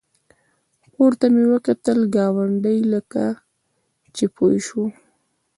پورته مې وکتل، ګاونډي لکه چې پوه شو.